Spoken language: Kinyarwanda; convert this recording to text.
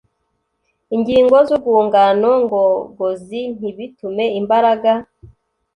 ingingo zurwungano ngogozi ntibitume imbaraga